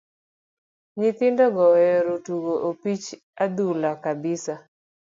Nyithindo go oero tugo opich adhula kabisa.